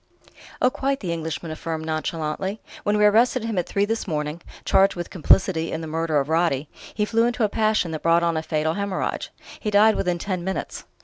"Oh, quite!" the Englishman affirmed nonchalantly, "When we arrested him at three this morning charged with complicity in the murder of Roddy he flew into a passion that brought on a fatal haemorrhage. He died within ten minutes."